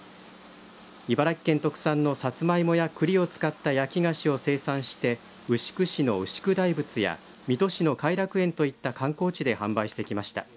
茨城県特産のさつまいもやくりを使った焼菓子を生産して牛久市の牛久大仏や水戸市の偕楽園といった観光地で販売してきました。